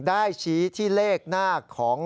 ได้ชี้ที่เลขหน้าของ